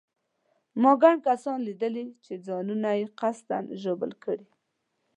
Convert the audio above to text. ما ګڼ کسان لیدلي چې ځانونه یې قصداً ژوبل کړي.